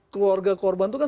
keluarga korban itu kan